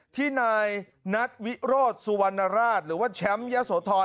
ที่นายนัทวิโรธสุวรรณราชหรือว่าแชมป์ยะโสธร